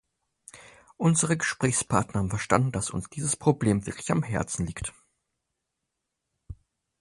Unsere Gesprächspartner haben verstanden, dass uns dieses Problem wirklich am Herzen liegt.